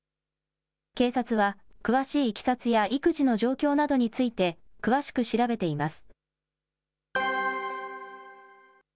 警察は詳しいいきさつや育児の状況などについて詳しく調べています。